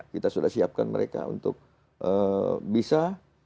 kita sudah siapkan mereka untuk bisa